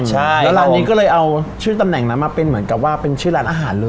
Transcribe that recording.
ใช่แล้วร้านนี้ก็เลยเอาชื่อตำแหน่งนั้นมาเป็นเหมือนกับว่าเป็นชื่อร้านอาหารเลย